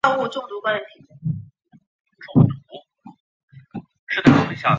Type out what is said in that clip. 以前所属公司